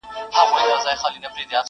ر